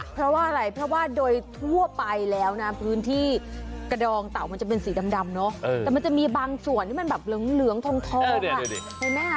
เพราะว่าอะไรเพราะว่าโดยทั่วไปแล้วนะพื้นที่กระดองเต่ามันจะเป็นสีดำเนอะแต่มันจะมีบางส่วนที่มันแบบเหลืองทอง